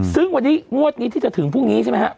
ซึ่งวันนี้งวดนี้ที่จะถึงพรุ่งนี้ใช่ไหมครับ